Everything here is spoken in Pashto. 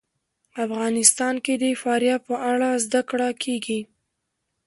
افغانستان کې د فاریاب په اړه زده کړه کېږي.